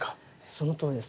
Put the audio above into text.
そのとおりです。